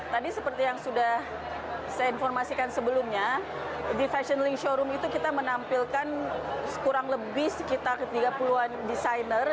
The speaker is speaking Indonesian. tadi seperti yang sudah saya informasikan sebelumnya di fashion week showroom itu kita menampilkan kurang lebih sekitar tiga puluh an desainer